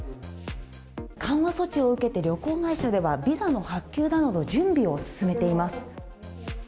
緩和措置を受けて、旅行会社では、ビザの発給などの準備を進めています。